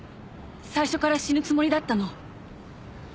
最初から死ぬつもりだったの。